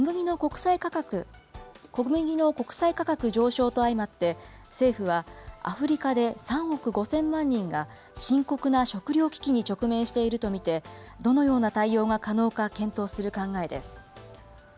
小麦の国際価格上昇と相まって、政府は、アフリカで３億５０００万人が、深刻な食料危機に直面していると見て、どのような対応が可能か検討する考えです。